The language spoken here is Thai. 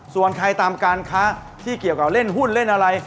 ส่วนใครตามการค้าที่เกี่ยวกับเล่นหุ้นเล่นอะไร